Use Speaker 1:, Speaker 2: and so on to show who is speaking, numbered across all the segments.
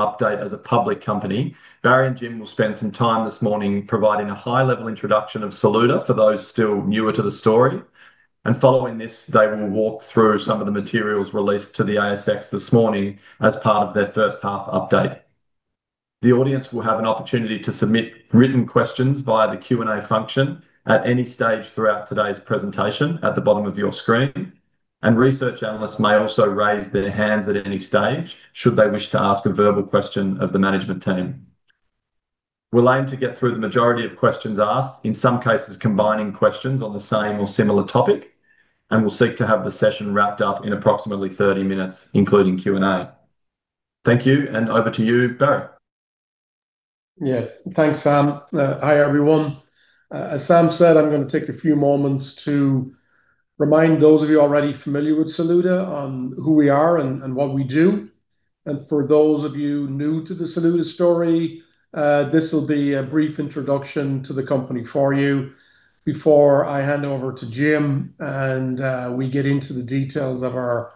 Speaker 1: Update as a public company, Barry and Jim will spend some time this morning providing a high-level introduction of Saluda for those still newer to the story. Following this, they will walk through some of the materials released to the ASX this morning as part of their first half update. The audience will have an opportunity to submit written questions via the Q&A function at any stage throughout today's presentation at the bottom of your screen. Research analysts may also raise their hands at any stage should they wish to ask a verbal question of the management team. We'll aim to get through the majority of questions asked, in some cases, combining questions on the same or similar topic. We'll seek to have the session wrapped up in approximately 30 minutes, including Q&A. Thank you. Over to you, Barry.
Speaker 2: Yeah. Thanks, Sam. Hi, everyone. As Sam said, I'm gonna take a few moments to remind those of you already familiar with Saluda on who we are and what we do. For those of you new to the Saluda story, this will be a brief introduction to the company for you before I hand over to Jim, and we get into the details of our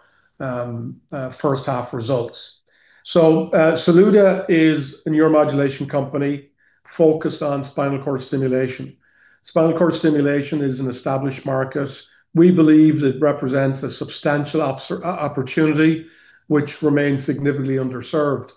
Speaker 2: first half results. Saluda is a neuromodulation company focused on spinal cord stimulation. Spinal cord stimulation is an established market. We believe it represents a substantial opportunity, which remains significantly underserved.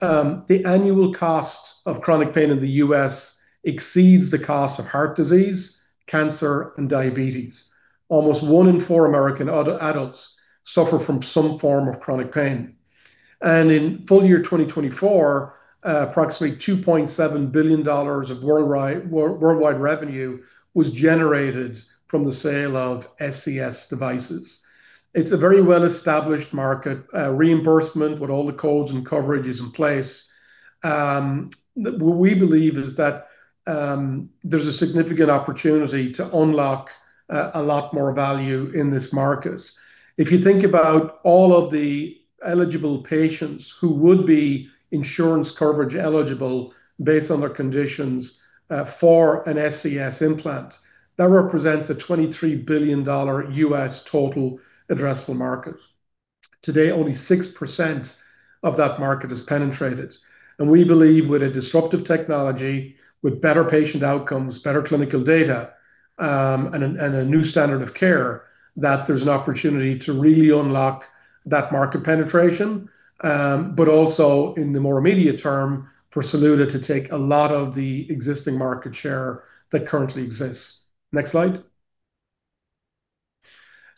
Speaker 2: The annual cost of chronic pain in the U.S. exceeds the cost of heart disease, cancer, and diabetes. Almost one in four American adults suffer from some form of chronic pain. In full year 2024, approximately $2.7 billion of worldwide revenue was generated from the sale of SCS devices. It's a very well-established market, reimbursement with all the codes and coverages in place. What we believe is that there's a significant opportunity to unlock a lot more value in this market. If you think about all of the eligible patients who would be insurance coverage eligible based on their conditions, for an SCS implant, that represents a $23 billion U.S. total addressable market. Today, only 6% of that market is penetrated, and we believe with a disruptive technology, with better patient outcomes, better clinical data, and a new standard of care, that there's an opportunity to really unlock that market penetration. Also in the more immediate term, for Saluda to take a lot of the existing market share that currently exists. Next slide.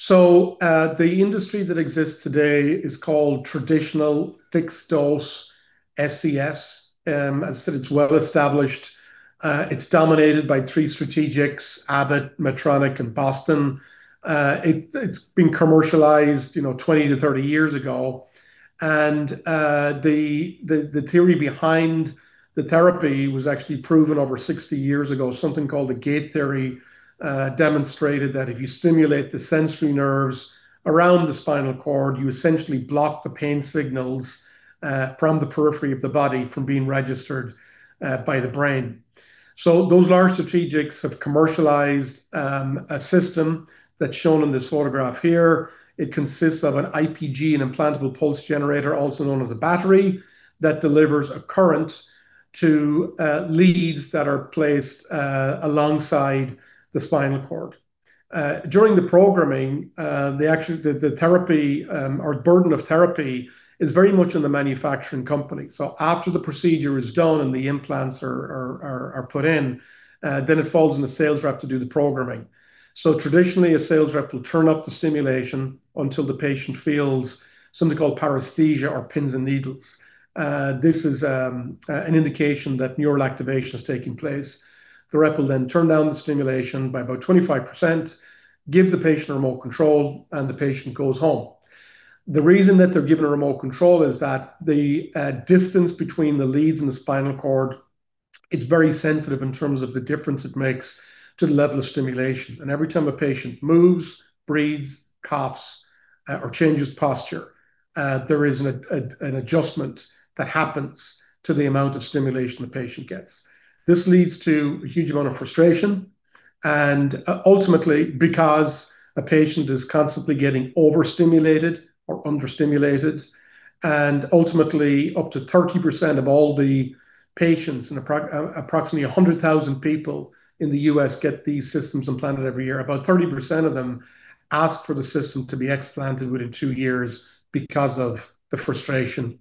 Speaker 2: The industry that exists today is called traditional fixed-dose SCS. As I said, it's well established. It's dominated by three strategics, Abbott, Medtronic, and Boston. It's been commercialized, you know, 20-30 years ago. The theory behind the therapy was actually proven over 60 years ago. Something called the gate theory demonstrated that if you stimulate the sensory nerves around the spinal cord, you essentially block the pain signals from the periphery of the body from being registered by the brain. Those large strategics have commercialized a system that's shown in this photograph here. It consists of an IPG, an implantable pulse generator, also known as a battery, that delivers a current to leads that are placed alongside the spinal cord. During the programming, the therapy or burden of therapy is very much on the manufacturing company. After the procedure is done and the implants are put in, then it falls on the sales rep to do the programming. Traditionally, a sales rep will turn up the stimulation until the patient feels something called paresthesia or pins and needles. This is an indication that neural activation is taking place. The rep will then turn down the stimulation by about 25%, give the patient a remote control, and the patient goes home. The reason that they're given a remote control is that the distance between the leads and the spinal cord, it's very sensitive in terms of the difference it makes to the level of stimulation. Every time a patient moves, breathes, coughs, or changes posture, there is an adjustment that happens to the amount of stimulation the patient gets. This leads to a huge amount of frustration, and ultimately, because a patient is constantly getting overstimulated or understimulated, and ultimately, up to 30% of all the patients, and approximately 100,000 people in the U.S. get these systems implanted every year. About 30% of them ask for the system to be explanted within two years because of the frustration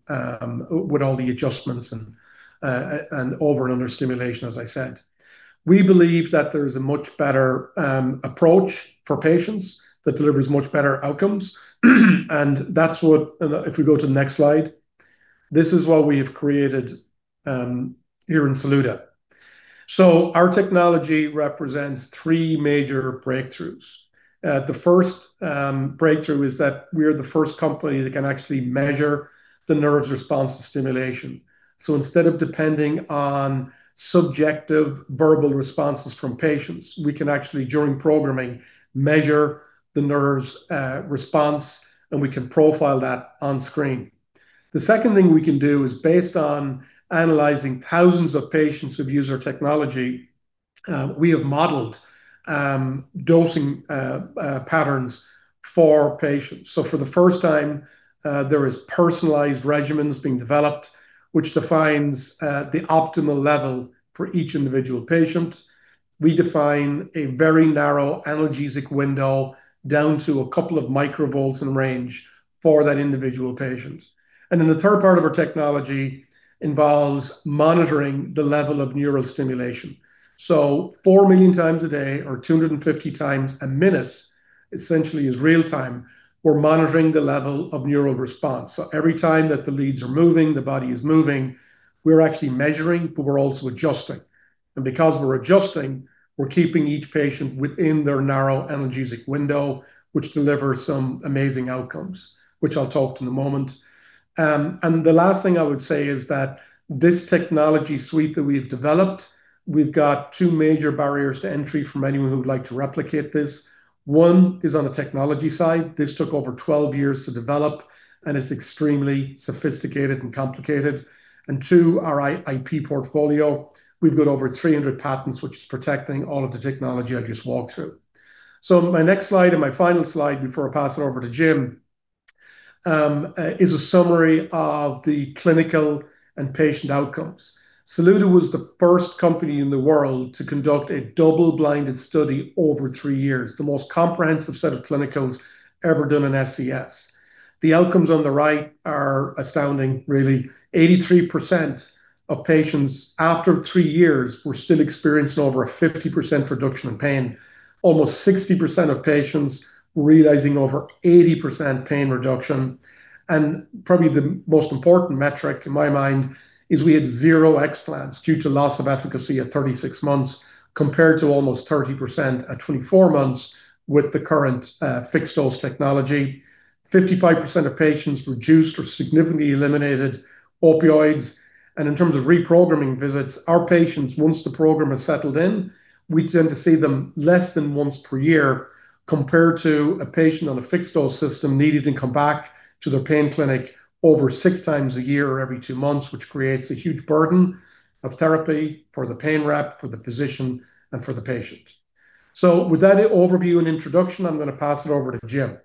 Speaker 2: with all the adjustments and over and under stimulation, as I said. We believe that there's a much better approach for patients that delivers much better outcomes. That's what if we go to the next slide, this is what we've created here in Saluda. Our technology represents three major breakthroughs. The first breakthrough is that we are the first company that can actually measure the nerve's response to stimulation. Instead of depending on subjective verbal responses from patients, we can actually, during programming, measure the nerve's response, and we can profile that on screen. The second thing we can do is, based on analyzing thousands of patients who've used our technology, we have modeled dosing patterns for patients. For the first time, there is personalized regimens being developed, which defines the optimal level for each individual patient. We define a very narrow analgesic window down to a couple of microvolts in range for that individual patient. The third part of our technology involves monitoring the level of neural stimulation. 4 million times a day, or 250 times a minute, essentially is real time, we're monitoring the level of neural response. Every time that the leads are moving, the body is moving, we're actually measuring, but we're also adjusting. Because we're adjusting, we're keeping each patient within their narrow analgesic window, which delivers some amazing outcomes, which I'll talk to in a moment. The last thing I would say is that this technology suite that we've developed, we've got two major barriers to entry from anyone who would like to replicate this. One is on the technology side. This took over 12 years to develop, and it's extremely sophisticated and complicated. Two, our IP portfolio. We've got over 300 patents, which is protecting all of the technology I just walked through. My next slide, and my final slide before I pass it over to Jim, is a summary of the clinical and patient outcomes. Saluda was the first company in the world to conduct a double-blinded study over three years, the most comprehensive set of clinicals ever done in SCS. The outcomes on the right are astounding, really. 83% of patients, after three years, were still experiencing over a 50% reduction in pain. Almost 60% of patients realizing over 80% pain reduction. Probably the most important metric, in my mind, is we had zero explants due to loss of efficacy at 36 months, compared to almost 30% at 24 months with the current fixed-dose SCS. 55% of patients reduced or significantly eliminated opioids. In terms of reprogramming visits, our patients, once the program has settled in, we tend to see them less than once per year, compared to a patient on a fixed-dose system needing to come back to their pain clinic over six times a year or every two months, which creates a huge burden of therapy for the pain rep, for the physician, and for the patient. With that overview and introduction, I'm gonna pass it over to Jim.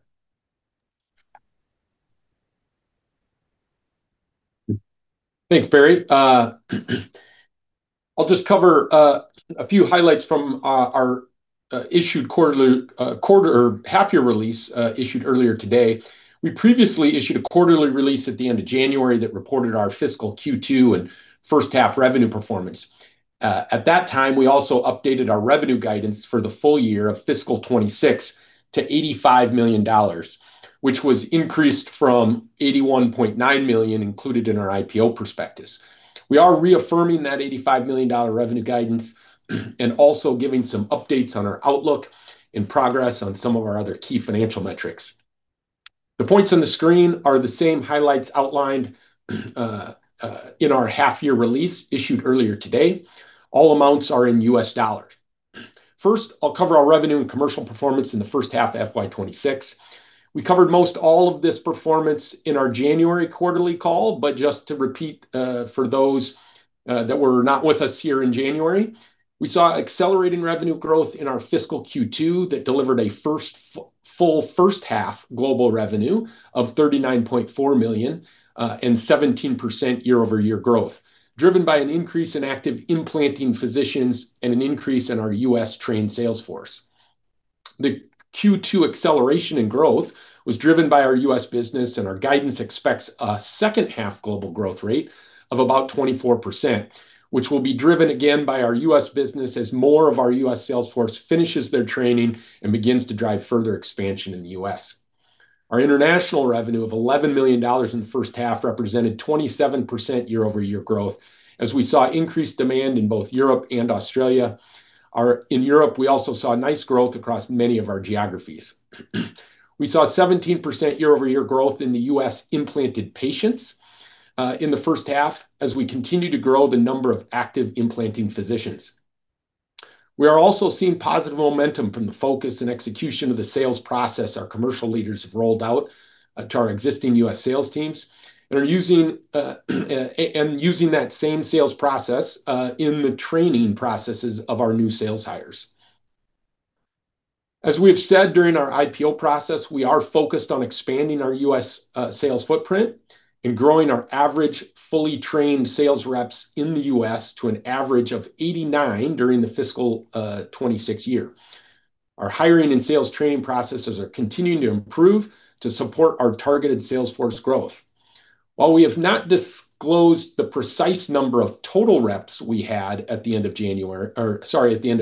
Speaker 3: Thanks, Barry. I'll just cover a few highlights from our issued quarterly half-year release issued earlier today. We previously issued a quarterly release at the end of January that reported our fiscal Q2 and first half revenue performance. At that time, we also updated our revenue guidance for the full year of fiscal 2026 to $85 million, which was increased from $81.9 million included in our IPO prospectus. We are reaffirming that $85 million revenue guidance and also giving some updates on our outlook and progress on some of our other key financial metrics. The points on the screen are the same highlights outlined in our half-year release issued earlier today. All amounts are in U.S. dollars. First, I'll cover our revenue and commercial performance in the first half of FY 2026. We covered most all of this performance in our January quarterly call. Just to repeat, for those that were not with us here in January, we saw accelerating revenue growth in our fiscal Q2 that delivered a first full first half global revenue of $39.4 million and 17% year-over-year growth, driven by an increase in active implanting physicians and an increase in our U.S. trained sales force. The Q2 acceleration in growth was driven by our U.S. business. Our guidance expects a second half global growth rate of about 24%, which will be driven again by our U.S. business as more of our U.S. sales force finishes their training and begins to drive further expansion in the U.S. Our international revenue of $11 million in the first half represented 27% year-over-year growth, as we saw increased demand in both Europe and Australia. In Europe, we also saw nice growth across many of our geographies. We saw 17% year-over-year growth in the U.S. implanted patients in the first half, as we continue to grow the number of active implanting physicians. We are also seeing positive momentum from the focus and execution of the sales process our commercial leaders have rolled out to our existing U.S. sales teams, and are using that same sales process in the training processes of our new sales hires. As we've said during our IPO process, we are focused on expanding our U.S. sales footprint and growing our average fully trained sales reps in the U.S. to an average of 89 during the fiscal 2026 year. Our hiring and sales training processes are continuing to improve to support our targeted sales force growth. While we have not disclosed the precise number of total reps we had at the end of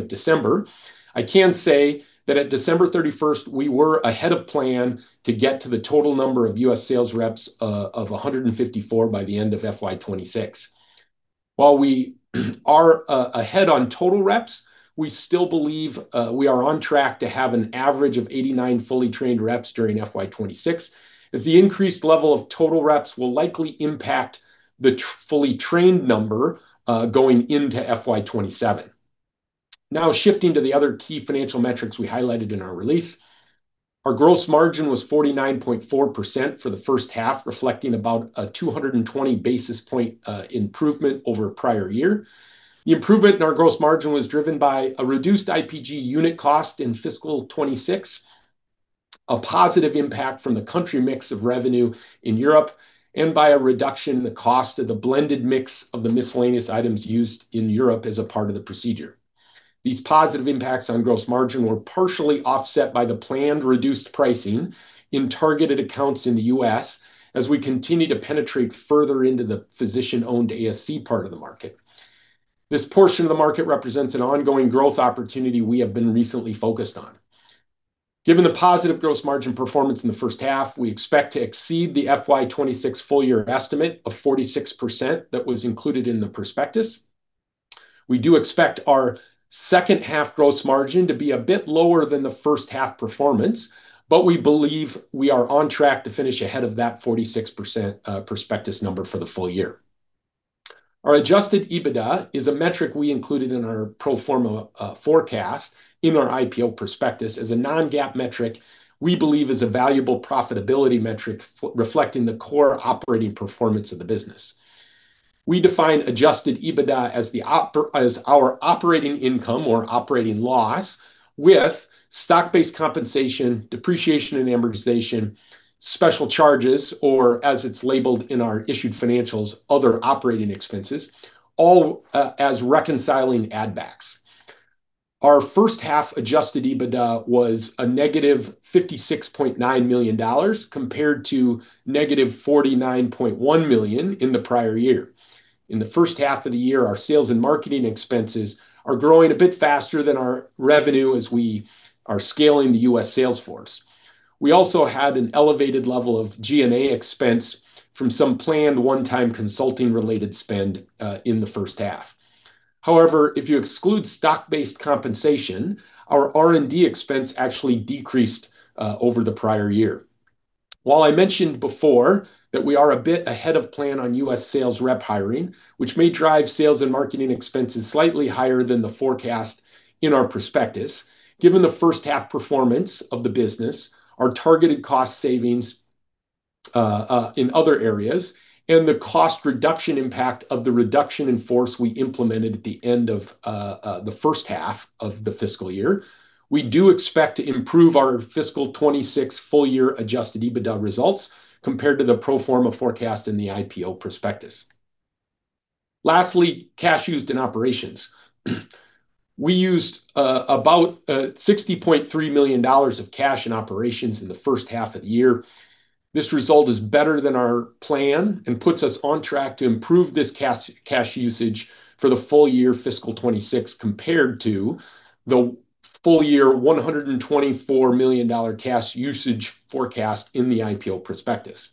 Speaker 3: December, I can say that at December 31st, we were ahead of plan to get to the total number of U.S. sales reps of 154 by the end of FY 2026. While we are ahead on total reps, we still believe we are on track to have an average of 89 fully trained reps during FY 2026, as the increased level of total reps will likely impact the fully trained number going into FY 2027. Shifting to the other key financial metrics we highlighted in our release. Our gross margin was 49.4% for the first half, reflecting about a 220 basis point improvement over prior year. The improvement in our gross margin was driven by a reduced IPG unit cost in fiscal 2026, a positive impact from the country mix of revenue in Europe, and by a reduction in the cost of the blended mix of the miscellaneous items used in Europe as a part of the procedure. These positive impacts on gross margin were partially offset by the planned reduced pricing in targeted accounts in the U.S. as we continue to penetrate further into the physician-owned ASC part of the market. This portion of the market represents an ongoing growth opportunity we have been recently focused on. Given the positive gross margin performance in the first half, we expect to exceed the FY 2026 full year estimate of 46% that was included in the prospectus. We do expect our second half gross margin to be a bit lower than the first half performance, but we believe we are on track to finish ahead of that 46% prospectus number for the full year. Our adjusted EBITDA is a metric we included in our pro forma forecast in our IPO prospectus as a non-GAAP metric we believe is a valuable profitability metric reflecting the core operating performance of the business. We define adjusted EBITDA as our operating income or operating loss with stock-based compensation, depreciation and amortization, special charges, or as it's labeled in our issued financials, other operating expenses, all as reconciling add backs. Our first half adjusted EBITDA was a negative $56.9 million, compared to negative $49.1 million in the prior year. In the first half of the year, our sales and marketing expenses are growing a bit faster than our revenue as we are scaling the U.S. sales force. We also had an elevated level of G&A expense from some planned one-time consulting related spend in the first half. However, if you exclude stock-based compensation, our R&D expense actually decreased over the prior year. I mentioned before that we are a bit ahead of plan on U.S. sales rep hiring, which may drive sales and marketing expenses slightly higher than the forecast in our prospectus, given the first half performance of the business, our targeted cost savings in other areas, and the cost reduction impact of the reduction in force we implemented at the end of the first half of the fiscal year, we do expect to improve our FY 2026 full year adjusted EBITDA results compared to the pro forma forecast in the IPO prospectus. Lastly, cash used in operations. We used about $60.3 million of cash in operations in the first half of the year. This result is better than our plan and puts us on track to improve this cash usage for the full year fiscal 2026, compared to the full year $124 million cash usage forecast in the IPO prospectus.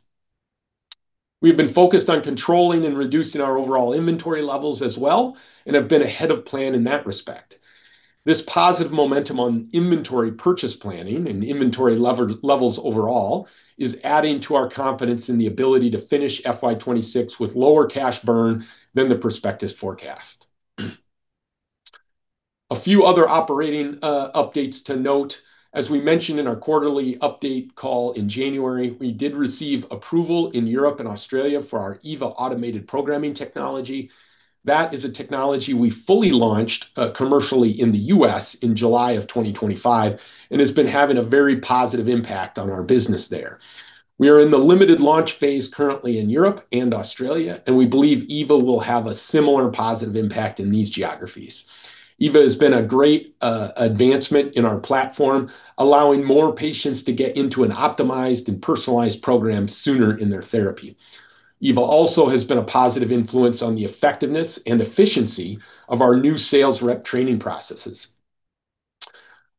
Speaker 3: We've been focused on controlling and reducing our overall inventory levels as well, and have been ahead of plan in that respect. This positive momentum on inventory purchase planning and inventory levels overall, is adding to our confidence in the ability to finish FY 2026 with lower cash burn than the prospectus forecast. A few other operating updates to note. As we mentioned in our quarterly update call in January, we did receive approval in Europe and Australia for our EVA automated programming technology. That is a technology we fully launched commercially in the U.S. in July 2025, has been having a very positive impact on our business there. We are in the limited launch phase currently in Europe and Australia, we believe EVA will have a similar positive impact in these geographies. EVA has been a great advancement in our platform, allowing more patients to get into an optimized and personalized program sooner in their therapy. EVA also has been a positive influence on the effectiveness and efficiency of our new sales rep training processes.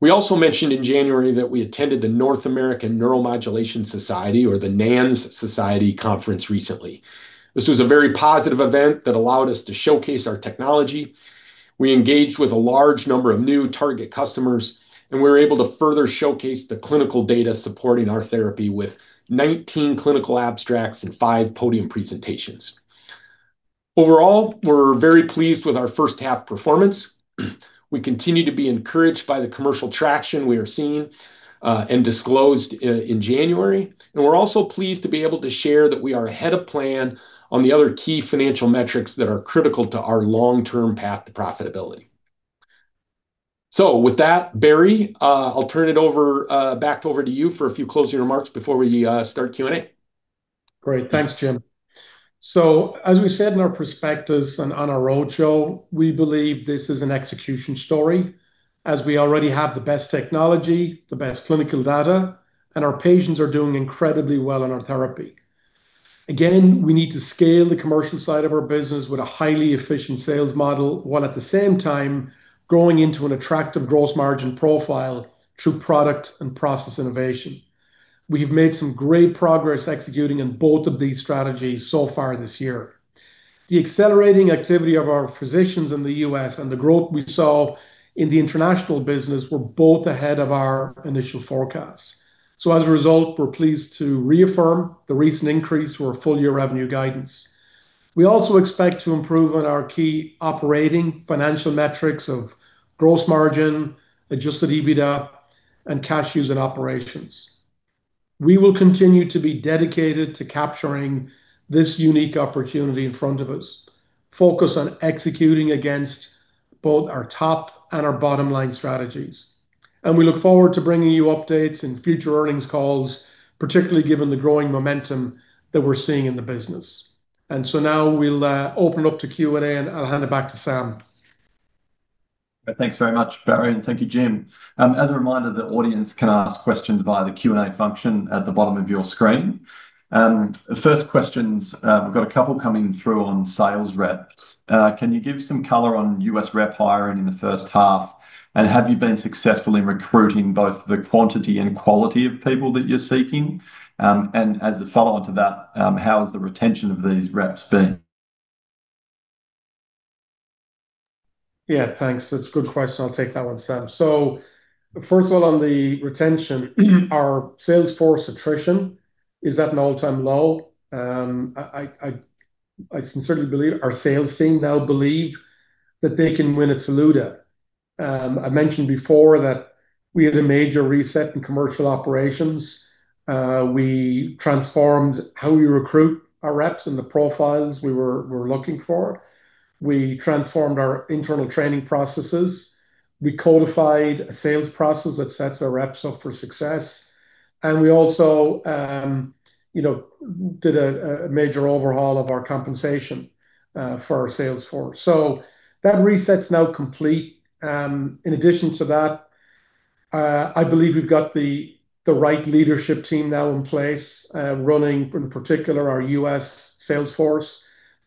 Speaker 3: We also mentioned in January that we attended the North American Neuromodulation Society, or the NANS Society Conference recently. This was a very positive event that allowed us to showcase our technology. We engaged with a large number of new target customers, and we were able to further showcase the clinical data supporting our therapy with 19 clinical abstracts and five podium presentations. Overall, we're very pleased with our first half performance. We continue to be encouraged by the commercial traction we are seeing, and disclosed in January. We're also pleased to be able to share that we are ahead of plan on the other key financial metrics that are critical to our long-term path to profitability. With that, Barry, I'll turn it over back over to you for a few closing remarks before we start Q&A.
Speaker 2: Great. Thanks, Jim. As we said in our prospectus and on our roadshow, we believe this is an execution story, as we already have the best technology, the best clinical data, and our patients are doing incredibly well on our therapy. Again, we need to scale the commercial side of our business with a highly efficient sales model, while at the same time growing into an attractive gross margin profile through product and process innovation. We've made some great progress executing on both of these strategies so far this year. The accelerating activity of our physicians in the U.S. and the growth we saw in the international business were both ahead of our initial forecasts. As a result, we're pleased to reaffirm the recent increase to our full-year revenue guidance. We also expect to improve on our key operating financial metrics of gross margin, adjusted EBITDA, and cash use and operations. We will continue to be dedicated to capturing this unique opportunity in front of us, focused on executing against both our top and our bottom-line strategies. We look forward to bringing you updates in future earnings calls, particularly given the growing momentum that we're seeing in the business. Now we'll open it up to Q&A, and I'll hand it back to Sam.
Speaker 1: Thanks very much, Barry, and thank you, Jim. As a reminder, the audience can ask questions via the Q&A function at the bottom of your screen. The first questions, we've got a couple coming through on sales reps. Can you give some color on U.S. rep hiring in the first half? Have you been successful in recruiting both the quantity and quality of people that you're seeking? As a follow-on to that, how has the retention of these reps been?
Speaker 2: Yeah, thanks. That's a good question. I'll take that one, Sam. First of all, on the retention, our sales force attrition is at an all-time low. I sincerely believe our sales team now believe that they can win at Saluda. I mentioned before that we had a major reset in commercial operations. We transformed how we recruit our reps and the profiles we were looking for. We transformed our internal training processes. We codified a sales process that sets our reps up for success, and we also, you know, did a major overhaul of our compensation for our sales force. That reset's now complete. In addition to that, I believe we've got the right leadership team now in place, running, in particular, our U.S. sales force.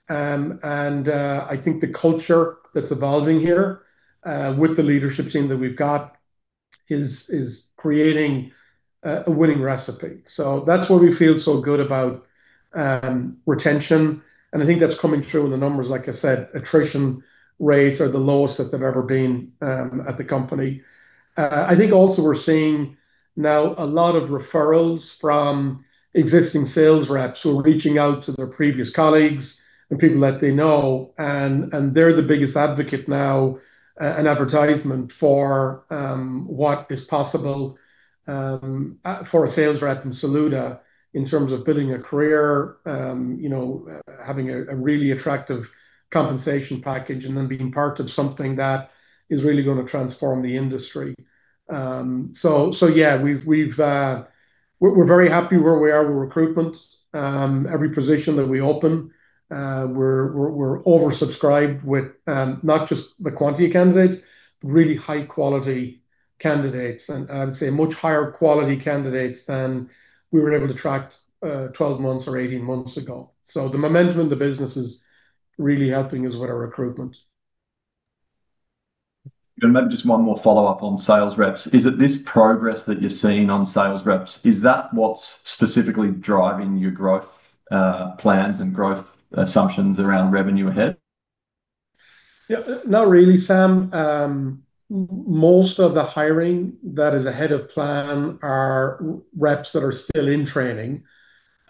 Speaker 2: I think the culture that's evolving here with the leadership team that we've got is creating a winning recipe. That's why we feel so good about retention, and I think that's coming through in the numbers. Like I said, attrition rates are the lowest that they've ever been at the company. I think also we're seeing now a lot of referrals from existing sales reps who are reaching out to their previous colleagues and people that they know, and they're the biggest advocate now and advertisement for what is possible for a sales rep in Saluda in terms of building a career. You know, having a really attractive compensation package and then being part of something that is really gonna transform the industry. Yeah, we've, we're very happy where we are with recruitment. Every position that we open, we're oversubscribed with, not just the quantity of candidates, but really high-quality candidates, and I would say much higher quality candidates than we were able to attract, 12 months or 18 months ago. The momentum in the business is really helping us with our recruitment.
Speaker 1: Maybe just one more follow-up on sales reps. Is it this progress that you're seeing on sales reps, is that what's specifically driving your growth plans and growth assumptions around revenue ahead?
Speaker 2: Yeah. Not really, Sam. Most of the hiring that is ahead of plan are reps that are still in training.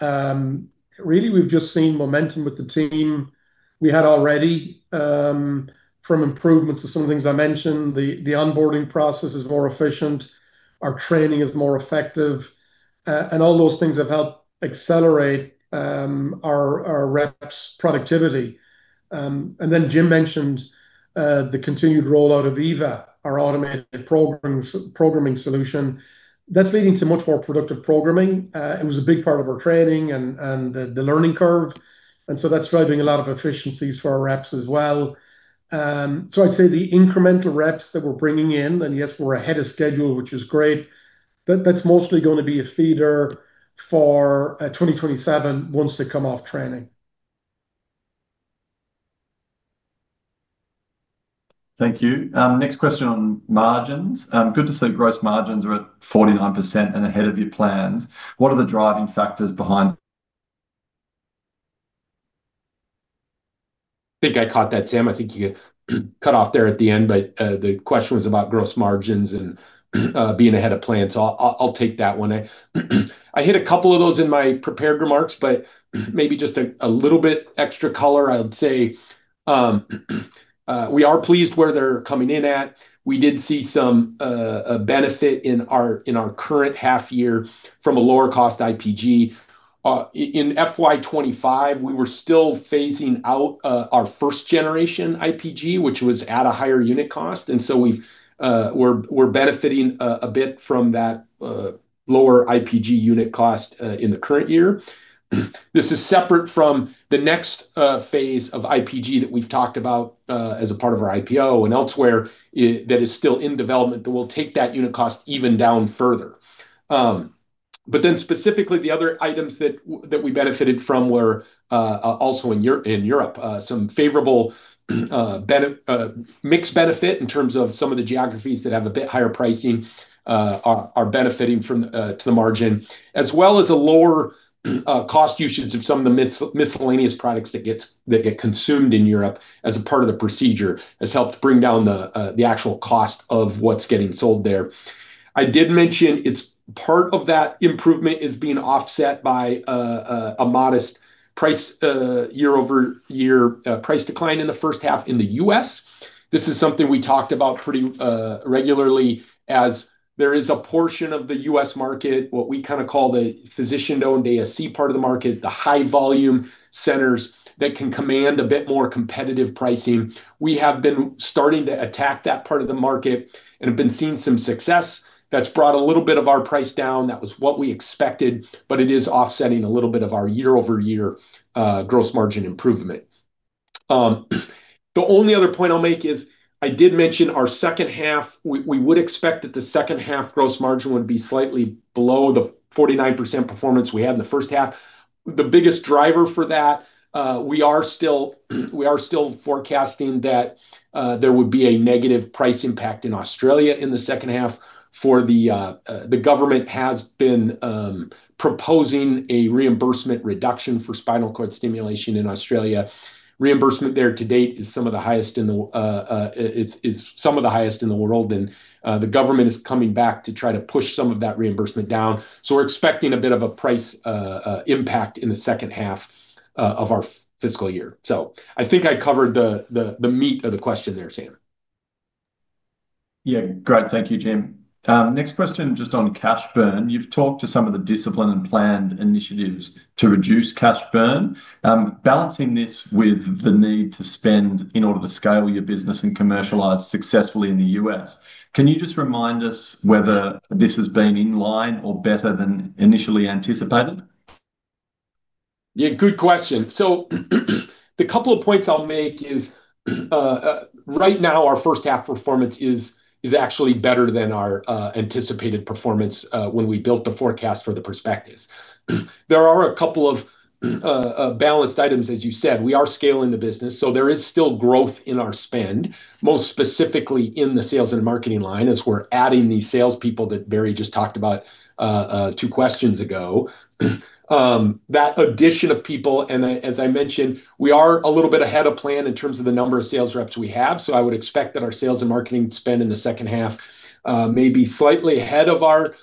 Speaker 2: Really, we've just seen momentum with the team we had already, from improvements to some things I mentioned. The onboarding process is more efficient, our training is more effective, and all those things have helped accelerate our reps' productivity. And then Jim mentioned the continued rollout of EVA, our automated programming solution. That's leading to much more productive programming. It was a big part of our training and the learning curve, and so that's driving a lot of efficiencies for our reps as well. I'd say the incremental reps that we're bringing in, and yes, we're ahead of schedule, which is great, that's mostly gonna be a feeder for 2027 once they come off training.
Speaker 1: Thank you. Next question on margins. Good to see gross margins are at 49% and ahead of your plans. What are the driving factors?
Speaker 3: I think I caught that, Sam. I think you got cut off there at the end. The question was about gross margins and being ahead of plan. I'll take that one. I hit a couple of those in my prepared remarks, but maybe just a little bit extra color. I would say, we are pleased where they're coming in at. We did see some a benefit in our current half year from a lower cost IPG. In FY 2025, we were still phasing out our first generation IPG, which was at a higher unit cost. We're benefiting a bit from that lower IPG unit cost in the current year. This is separate from the next phase of IPG that we've talked about as a part of our IPO and elsewhere, that is still in development, that will take that unit cost even down further. Specifically, the other items that we benefited from were also in Europe. Some favorable mixed benefit in terms of some of the geographies that have a bit higher pricing are benefiting from to the margin, as well as a lower cost usage of some of the miscellaneous products that get consumed in Europe as a part of the procedure, has helped bring down the actual cost of what's getting sold there. I did mention. part of that improvement is being offset by a modest price year-over-year price decline in the U.S. This is something we talked about pretty regularly as there is a portion of the U.S. market, what we kinda call the physician-owned ASC part of the market, the high-volume centers that can command a bit more competitive pricing. We have been starting to attack that part of the market and have been seeing some success that's brought a little bit of our price down. That was what we expected, it is offsetting a little bit of our year-over-year gross margin improvement. The only other point I'll make is, I did mention our second half. We would expect that the second half gross margin would be slightly below the 49% performance we had in the first half. The biggest driver for that, we are still forecasting that there would be a negative price impact in Australia in the second half. The government has been proposing a reimbursement reduction for spinal cord stimulation in Australia. Reimbursement there to date is some of the highest in the world, and the government is coming back to try to push some of that reimbursement down. We're expecting a bit of a price impact in the second half of our fiscal year. I think I covered the meat of the question there, Sam.
Speaker 1: Yeah. Great. Thank you, Jim. Next question, just on cash burn. You've talked to some of the discipline and planned initiatives to reduce cash burn, balancing this with the need to spend in order to scale your business and commercialize successfully in the U.S. Can you just remind us whether this has been in line or better than initially anticipated?
Speaker 3: Yeah, good question. The couple of points I'll make is right now, our first half performance is actually better than our anticipated performance when we built the forecast for the prospectus. There are a couple of balanced items. As you said, we are scaling the business, so there is still growth in our spend, most specifically in the sales and marketing line, as we're adding these salespeople that Barry just talked about two questions ago. That addition of people, as I mentioned, we are a little bit ahead of plan in terms of the number of sales reps we have, so I would expect that our sales and marketing spend in the second half may be slightly ahead of our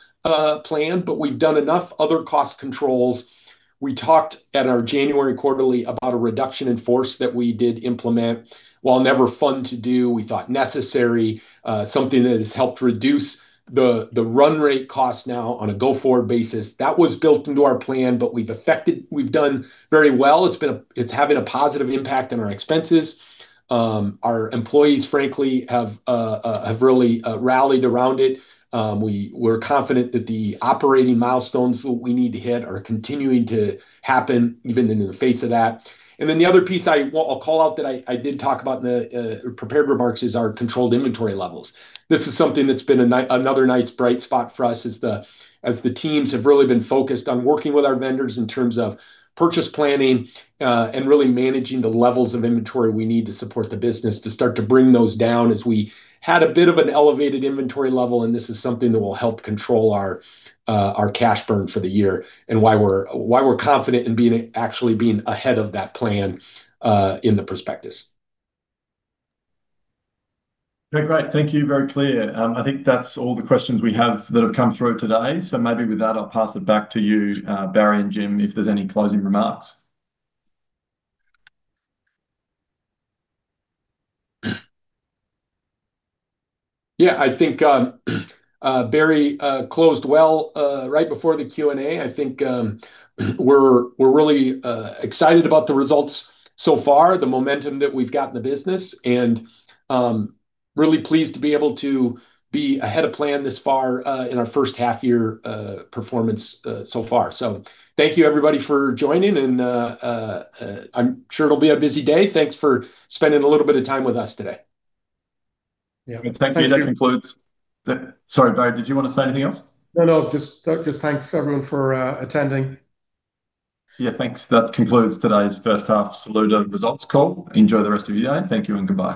Speaker 3: plan, but we've done enough other cost controls. We talked at our January quarterly about a reduction in force that we did implement. While never fun to do, we thought necessary, something that has helped reduce the run rate cost now on a go-forward basis. That was built into our plan, but we've done very well. It's having a positive impact on our expenses. Our employees, frankly, have really rallied around it. We're confident that the operating milestones that we need to hit are continuing to happen, even in the face of that. The other piece I'll call out, that I did talk about in the prepared remarks, is our controlled inventory levels. This is something that's been another nice bright spot for us as the, as the teams have really been focused on working with our vendors in terms of purchase planning, and really managing the levels of inventory we need to support the business, to start to bring those down as we had a bit of an elevated inventory level. This is something that will help control our cash burn for the year, and why we're, why we're confident in being, actually being ahead of that plan, in the prospectus.
Speaker 1: Okay, great. Thank you. Very clear. I think that's all the questions we have that have come through today. Maybe with that, I'll pass it back to you, Barry and Jim, if there's any closing remarks.
Speaker 3: Yeah, I think, Barry, closed well, right before the Q&A. I think, we're really excited about the results so far, the momentum that we've got in the business, and really pleased to be able to be ahead of plan this far, in our first half year, performance, so far. Thank you, everybody, for joining, and I'm sure it'll be a busy day. Thanks for spending a little bit of time with us today.
Speaker 2: Yeah. Thank you.
Speaker 1: Thank you. Sorry, Barry, did you want to say anything else?
Speaker 2: No, no, just thanks, everyone, for attending.
Speaker 1: Yeah, thanks. That concludes today's first half Saluda results call. Enjoy the rest of your day. Thank you and goodbye.